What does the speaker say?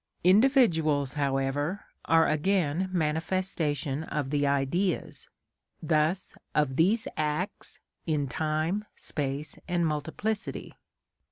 Individuals, however, are again manifestations of the Ideas, thus of these acts, in time, space, and multiplicity.